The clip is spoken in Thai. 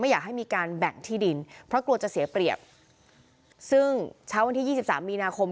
อยากให้มีการแบ่งที่ดินเพราะกลัวจะเสียเปรียบซึ่งเช้าวันที่ยี่สิบสามมีนาคม